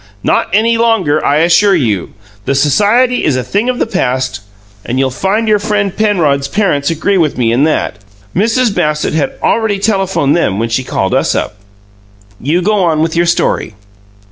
"Not any longer, I assure you! The society is a thing of the past and you'll find your friend Penrod's parents agree with me in that. Mrs. Bassett had already telephoned them when she called us up. You go on with your story!"